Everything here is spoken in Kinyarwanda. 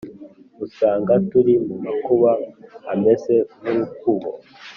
Usanga turi mu makuba ameze nk'urukubo,